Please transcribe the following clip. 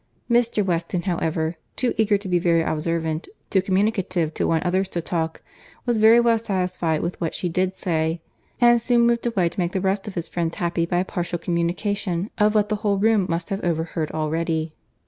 Mr. Weston, however, too eager to be very observant, too communicative to want others to talk, was very well satisfied with what she did say, and soon moved away to make the rest of his friends happy by a partial communication of what the whole room must have overheard already.